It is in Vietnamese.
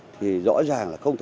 thì rõ ràng là không